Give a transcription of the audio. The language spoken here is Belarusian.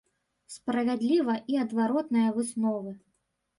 Справядліва і адваротная высновы.